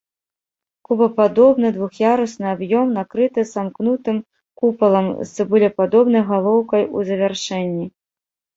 Кубападобны двух'ярусны аб'ём накрыты самкнутым купалам з цыбулепадобнай галоўкай у завяршэнні.